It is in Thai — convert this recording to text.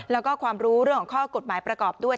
แล้วก็ความรู้เรื่องของข้อกฎหมายประกอบด้วย